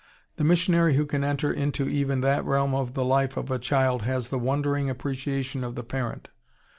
The missionary who can enter into even that realm of the life of a child has the wondering appreciation of the parent.